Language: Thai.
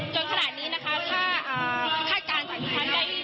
จนขนาดนี้นะคะถ้าการสังคัญได้ดูสถานการณ์อยู่ขนาดนี้